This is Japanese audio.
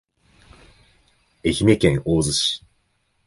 愛媛県大洲市